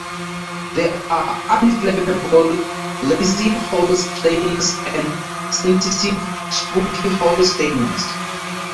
There are unflappable, lazy Holsteiners and sensitive, spooky Holsteiners.